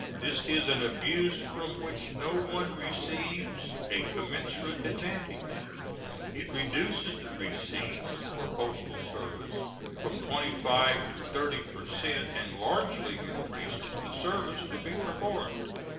This is an abuse from which no one receives a commensurate advantage; it reduces the receipts for postal service from 25 to 30 per cent and largely increases the service to be performed.